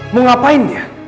mau ngapain dia